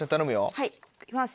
はい行きます。